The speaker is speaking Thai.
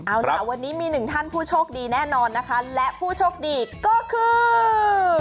อ่าวนี้มี๑ท่านผู้โชคดีแน่นอนและผู้โชคดีก็คือ